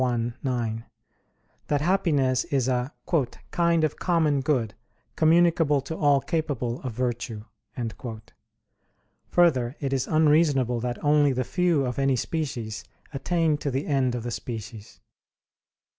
i, 9), that happiness is a "kind of common good, communicable to all capable of virtue." Further, it is unreasonable that only the few of any species attain to the end of the species.